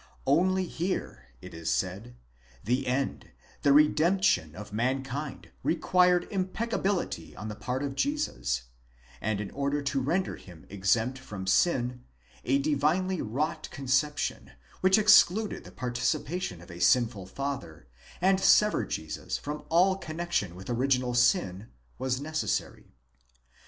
Only here, it is said, the end, the redemption of mankind, required impeccability on the part of Jesus; and in order to render him exempt from sin, a div'nely wrought conception, which excluded the participation of a sinful father, and severed Jesus from all connexion with original sin, was necessary.